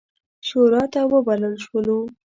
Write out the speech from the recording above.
شوراته وبلل شولو.